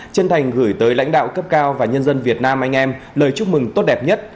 chân thành gửi tới lãnh đạo cấp cao và nhân dân việt nam anh em lời chúc mừng tốt đẹp nhất